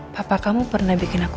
papa kamu pernah bikin aku